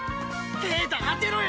ケータ当てろよ！